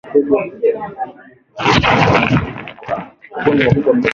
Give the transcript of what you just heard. Makundi makubwa ya mifugo hupelekea ugonjwa wa kutupa mimba kutokea